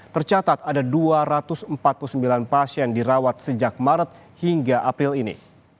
tercatat ada dua ratus empat puluh sembilan pasien dirawat sejak maret hingga april ini